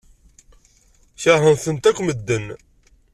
Keṛhen-tent akk medden.